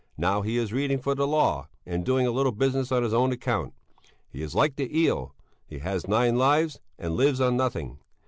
Now he is reading for the law, and doing a little business on his own account. He is like the eel; he has nine lives and lives on nothing.